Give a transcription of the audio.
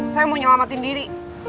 saya mau nyelamatin diri